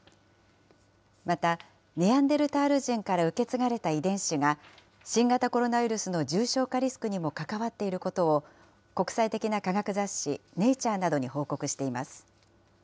また、ネアンデルタール人から受け継がれた遺伝子が、新型コロナウイルスの重症化リスクにも関わっていることを、国際的な科学雑誌ネイチャーなどに報告しています。